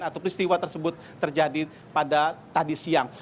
atau peristiwa tersebut terjadi pada tadi siang